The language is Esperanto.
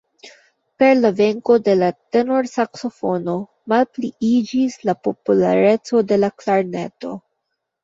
Per la venko de la tenorsaksofono malpliiĝis la populareco de la klarneto.